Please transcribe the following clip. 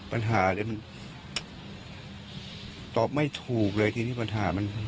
ปัญหานี้มันตอบไม่ถูกเลยทีนี้ปัญหามัน